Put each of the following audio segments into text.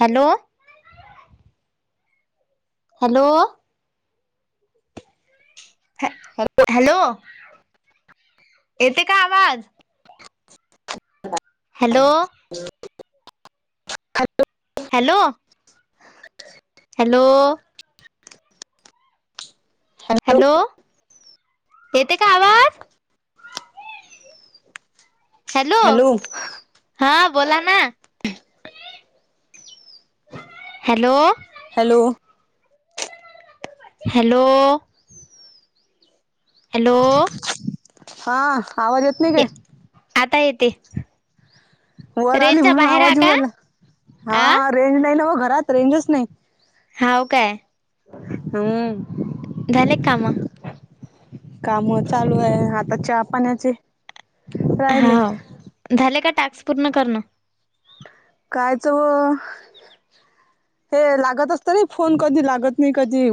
Hello.... hello... ह हॅ hello ये ते का आवाज.... hello.... hello hello hello... hello येते का आवाज. हॅलो हा बोला ना. हॅलो. हॅलो. हॅलो. हॅलो. हा आवाज येत नाही काय? ते.. वर आली म्हणून आवाज उडाला आ हा रेंज नाही ना घरात रेंजच नाही... हा काय... हम्म झाले काम काम चालू आहे आ... आ चहा पाण्याचे... हा राहिले झाले का टास्क पूर्ण करणं... कायच व... हे लागत असत रे फोन कधी लागत नाही कधी ये....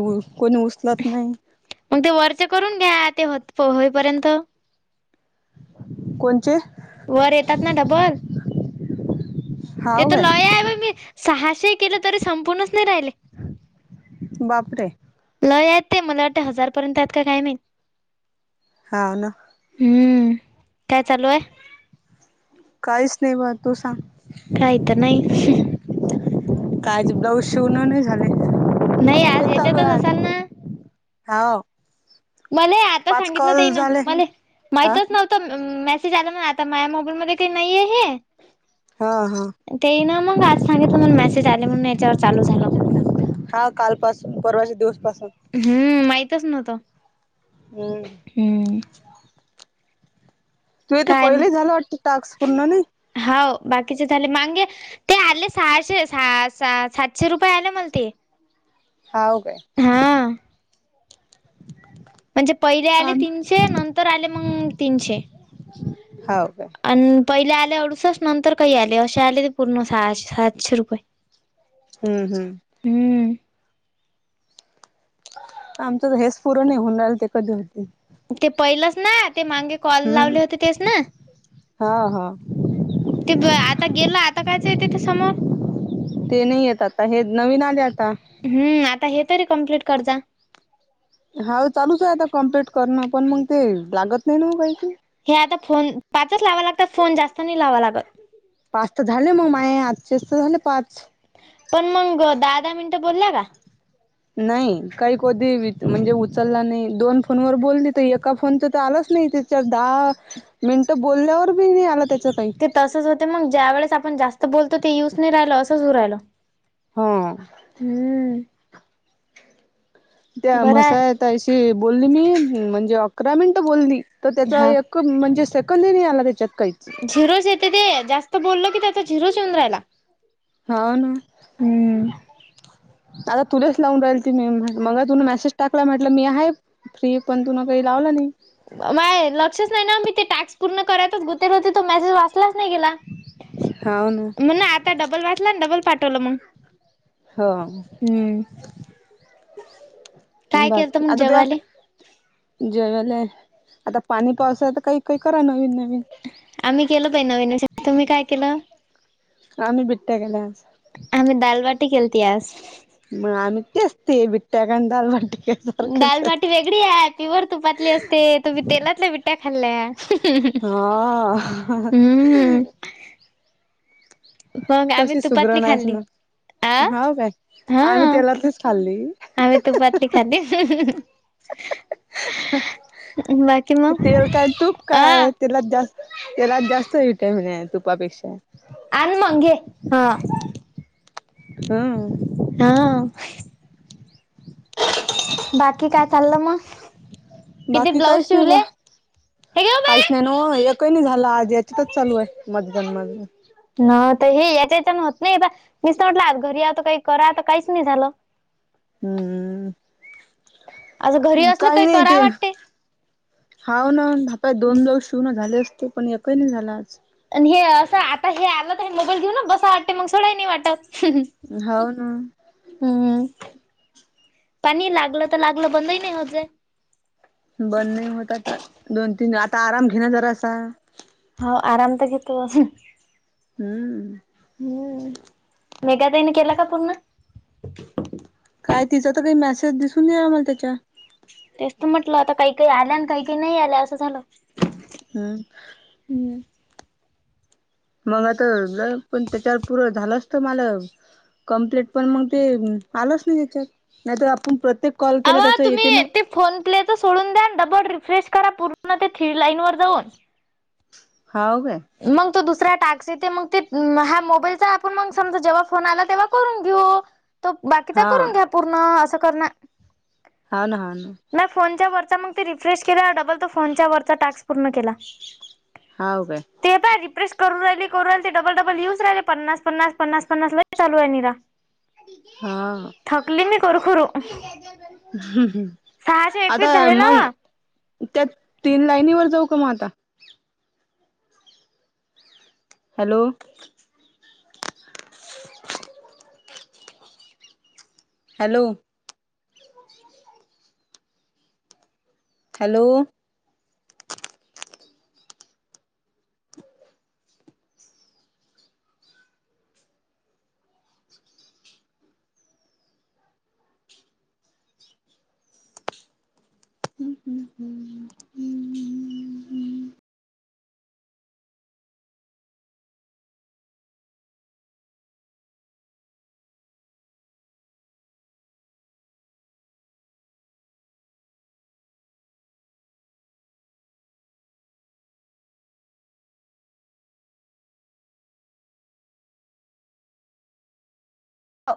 मग ते वरच करून घ्या ते होत होईपर्यंत.... [inaudible] कोणचे. वर येतात ना डबल ते हाव तर काय लय आहे बा मी सहाशे केलं तरी संपूणच नाही राहिले. बापरे! लय हायत ते मला वाटतं हजारपर्यंत आहेत का काय माहित. हो ना. हम्म काय चालू आहे? काहीच नाही ब तू सांग. काही तर नाही हह. शिवूनने झाले. नाही आज याच्यातच असाल ना. हा. मला आता सांगितलं त्यान झाले मला हा माहितच नव्हतं मेसेज आला म्ह आता माया मोबाईल मध्ये काय नाहीये हे. हा हा ते ना मग आज सांगितलं मला मेसेज आले म्हणून याच्यावर चालू झालं. हा कालपासून परवाच्या दिवसपासून हम्म माहितच नव्हत. हम्म. तूज ते काय मग पहिले झालं वाटत टास्क पूर्ण नाय. हाव बाकीचे झाले मगे ते आले सहाशे-सातशे रुपये आले मला ते. हो का. हा म्हणजे पहिले आले आम तीनशे नंतर आले मग तीनशे. हो का. आणि पहिले आले अडुसष्ठ नंतर काही आले असे आले ते पूर्ण सहाशे-सातशे रुपये. हम्म हम्म. हम्म आमचं तर हेच पूर नाही होऊन राहिल ते कधी होते. ते पहिलंच ना ते माांगे कॉल हम्म लावले होते तेच ना. हा हा ते ब आता गेलं आता कायच येतय ते समोर. ते नाही येत आता हे नवीन आले आता. हम्म आता हे तरी कंमप्लीट करजा. हा चालूच आहे आता कम्प्लीट करणं पण मग ते लागत नाही ना म काही. हे आता फोन पाचच लावाय लागतात फोन जास्त नाही लावा लागत. पाच तर झाले मग माय आजचेच तर झाले पाच. पण मग दहा-दहा मिनिटं बोलला का. नाही काही कधी म्हणजे उचलला नाही दोन फोन वर बोलली तर एका फोन तर आलाच. नाही त्याच्या दहा मिनटं बोल्यावरी बी नाही आला काही ते तसच होते मग ज्या वेळेस आपण जास्त बोलतो ते येऊच नाही राहिल असंच होऊ राहिल. हा. हम्म त्या बरं म्हसाया आहे ताईशी बोलली मी म्हणजे अकरा मिनटं बोलली. तर त्याचा हा एक म्हणजे सेकंद ही नाही आला त्याच्यात. काहीच झिरोच येते ते जास्त बोललो की त्याचा झिरोच येऊन राहिला. हाव ना. हम्म आता तुलाच लावून राहीलती मी मग तुन मेसेज टाकला म्हटलं मी आहे फ्री पण तुन काही लावलं नाही. माझा लक्षच नाही ना मी ते टॅक्स पूर्ण करातच गुतेल होते तर मेसेज वा. चलाच नाय गेला मग ना आता डबल वाचला डबल पाठवलं मग. हो. [inaudible] हम्म काय केलंत बसं मग आता जेवाले? तु जय. आता पाणी पावसा तर काही काही करा नवीन. नवीन आम्ही केल पाहि नवीन तुम्ही काय केलं. आ्ही बिट्ट्या गेले. आम्ही दालबाट खळतीयाज. मग आम्ही ते असते बिट्ट्याक दाल वाट. दालबाटी वेगळी आहे पिवरर तुपातली असते तुम्ही तेलातल्या बट्या खाल्ल्याय. हा. हम्म मग आम्ही तशी तुपातली सुग्रण आहेस खाल्ली ना. आ हा काय हा. आम्ही तेलातच खाल्ली. आम्ही तुपातली खाल्ली [inaudible] ह बाकी मग तेल काय तूप आ काय तेलात जास् तेलात जास्त विट्यामीन हाय. तुपापेक्षा अन मग घे. हम्म. हा. बाकी काय चाललं मग? किती बाकी ब्लाऊज काहीच नाही शिवले? बा हे घे ओ बाई. काहीच नाही नवं एक कय नाही झाला आज याचीतच चालू आहे मजगन मजगण. न हे याच्याच्यां होत नाही मीसत म्हटलं घरी आत काही करा तर काहीच नाही झालं. हम्म. असं घरी असल काही नाही करा ते वाटते. हाव ना [unintelligible] दोन ब्लाउज शिवून झाले असती पण एककाही नाही झाला आज. आणि हे असं आता हे आलं तर हे मोबाईल घेऊन बसा वाटते मग सोडाही नाही वाटत. हं हाव ना म हम्म. पाणी लागलं तर लागलं बंदही नाही होजे. बंद नाही होता तर दोन तीन आता आराम घेना जरासा. आराम त घेतो. हम्म. मेगा ताईनी केला का पूर्ण? काय तिचा तर काही मेसेज दिसून या आम्हाला त्याच्या. तेच तर म्हटलं आता काही काही आल्या आणि काही काही नाही आल्या असं झालं. हम्म हम्म. मग आता पण त्याच्यावर पूर झालं असत मला कमप्लीट पण मग ते आलोच नाही त्याच्यात नाहीत आपण प्रत अवा तुम्ही ते फोन प्लेच सोडून द्या. रिफ्रेश करा पूर्ण थ्री लाईन वर जाऊन. हाव काय मग तो दुसऱ्या टाक. शे ते ह्या मोबाईलचा आपण मग समजा जेव्हा फोन आला तेव्हा करून घेऊ. तो बाकीचा हा करून घ्या पूर्ण असं करण हो ना ह ना. नाही फोनच्या वरचा मग ते रिफ्रेश केला डबल तर फोनच्या वरचा टास्क पूर्ण केला. हाव काय ते पर रिप्रेश करू राहिली करू राहिल ते डबलडबल येऊच राहिले पन्नास पन्नास पन्नास पन्नास लयी चालू आहे निरा. हा. सुरखूरू. हम् हम् सहाशे एकवीस झाले नावं. त्या तीन लाईनीवर जाऊ का म आता? हॅलो हॅलो हॅलो ह